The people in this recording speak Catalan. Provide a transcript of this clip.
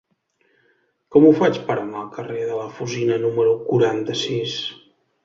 Com ho faig per anar al carrer de la Fusina número quaranta-sis?